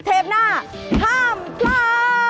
อีกเทปหน้าห้ามกล้า